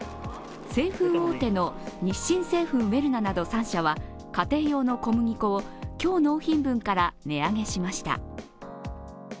製粉大手の日清製粉ウェルナなど３社は家庭用の小麦粉を今日納品分から値上げしました。